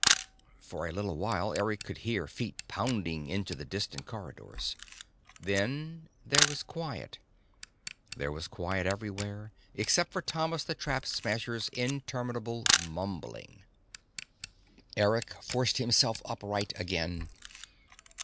For a little while, Eric could hear feet pounding into the distant corridors. Then there was quiet. There was quiet everywhere, except for Thomas the Trap Smasher's interminable mumbling. Eric forced himself upright again.